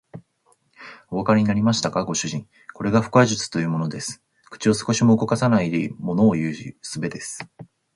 おわかりになりましたか、ご主人。これが腹話術というものです。口を少しも動かさないでものをいう術です。